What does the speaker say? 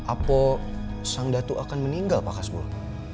apa sang datuk akan meninggal pak kasbul